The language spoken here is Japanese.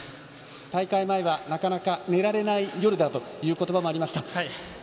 大会前は、なかなか寝られない夜だという言葉もありました。